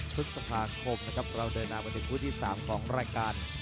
ทุกสัพพาครบนะครับเราเดินหน้าไปถึงคู่ที่สามของรายการ